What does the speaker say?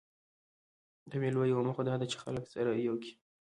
د مېلو یوه موخه دا ده، چي خلک سره یو کي.